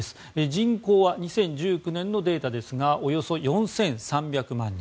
人口は２０１９年のデータですがおよそ４３００万人。